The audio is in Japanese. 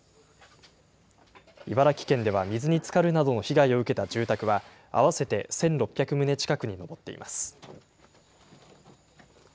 茨城県では水につかるなどの被害を受けた住宅は、合わせて１６００棟近くに上っています。